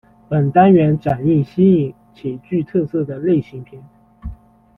本单元展映新颖且具特色的类型片。